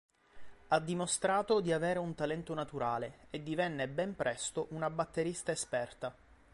Ha dimostrato di avere un talento naturale e divenne ben presto una batterista esperta.